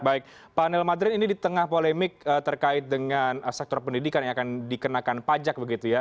baik pak nel madrin ini di tengah polemik terkait dengan sektor pendidikan yang akan dikenakan pajak begitu ya